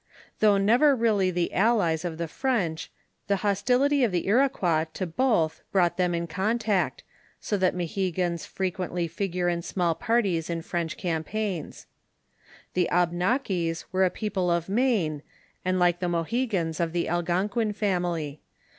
Though never really the allies of the French, the hostility of the Iroquois to both brought them in contact, so that Mohegans fre quently figure in small parties in French campaigns. The Abnakis were a people of Maine, and like the Mohegans of the Algonquin family.